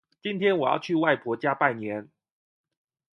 今天我要去外婆家拜年